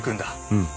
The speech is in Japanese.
うん。